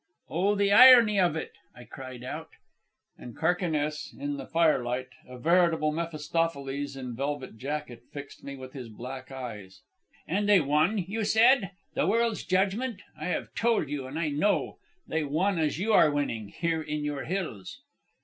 "Oh, the irony of it!" I cried out. And Carquinez, in the firelight a veritable Mephistopheles in velvet jacket, fixed me with his black eyes. "And they won, you said? The world's judgment! I have told you, and I know. They won as you are winning, here in your hills."